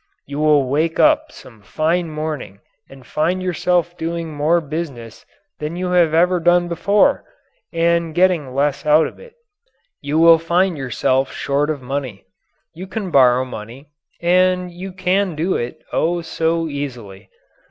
You will wake up some fine morning and find yourself doing more business than you have ever done before and getting less out of it. You find yourself short of money. You can borrow money. And you can do it, oh, so easily.